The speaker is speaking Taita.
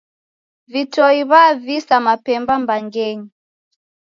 Vitoi w'avisa mapemba mbangenyi